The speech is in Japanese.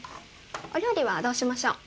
お料理はどうしましょう？